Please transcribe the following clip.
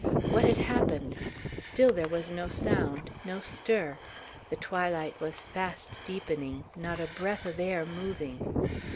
What had happened? Still there was no sound, no stir. The twilight was fast deepening; not a breath of air moving.